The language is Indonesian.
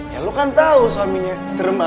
ya lo kan tau suaminya serem amat